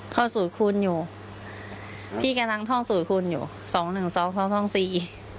สูตรคุณอยู่พี่กำลังท่องสูตรคุณอยู่สองหนึ่งสองท่องท่องสี่